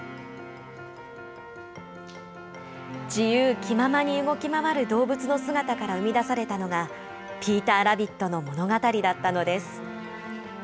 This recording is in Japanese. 自由気ままに動き回る動物の姿から生み出されたのが、ピーターラビットの物語だったのです。